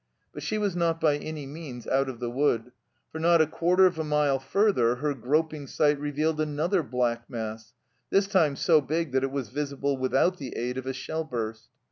But she was not by any means out of the wood, for not a quarter of a mile further her groping sight revealed another black mass, this time so big that it was visible without the aid of a shell burst.